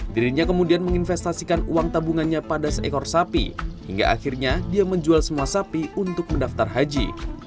dirinya kemudian menginvestasikan uang tabungannya pada seekor sapi hingga akhirnya dia menjual semua sapi untuk mendaftar haji